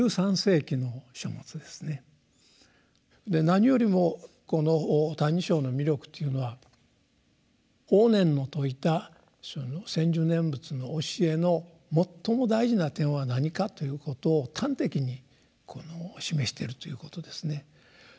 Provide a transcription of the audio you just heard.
何よりもこの「歎異抄」の魅力というのは法然の説いたその「専修念仏」の教えの最も大事な点は何かということを端的に示しているということですね。